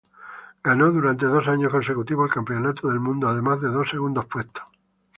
Ganó durante dos años consecutivos el Campeonato del Mundo, además de dos segundos puestos.